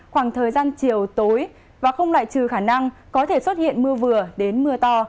khoảng thời gian chiều tối và không loại trừ khả năng có thể xuất hiện mưa vừa đến mưa to